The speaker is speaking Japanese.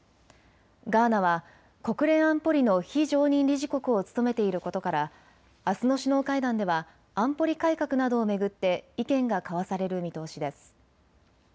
ガーナは国連安保理の非常任理事国を務めていることからあすの首脳会談では安保理改革などを巡って意見が交わされる見通しです。